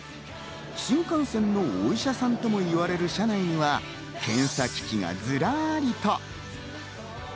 新幹線のお医者さんとも呼ばれる車内には検査機器がズラリと。